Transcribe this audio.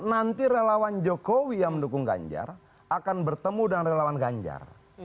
nanti relawan jokowi yang mendukung ganjar akan bertemu dengan relawan ganjar